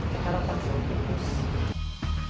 sekarang langsung berus